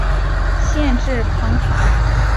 县治庞卡。